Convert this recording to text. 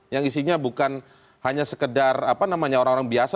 yang isinya bukan hanya sekedar apa namanya orang orang biasa